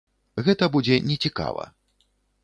Гэта будзе не цікава.